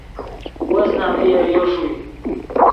وس نمن یریو ݰوئے